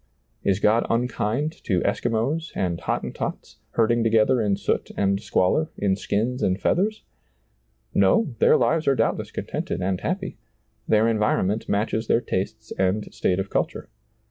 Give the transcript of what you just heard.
Is God unkind to Eskimos and Hot tentots, herding together in soot and squalor, in skins and feathers ? No ; their lives are doubtless contented and happy; their environment matches their tastes and state of culture.